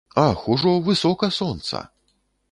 Ах, ужо высока сонца!